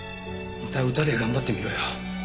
また歌で頑張ってみろよ。